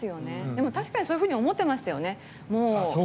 でも、確かにそういうふうに思ってましたよね。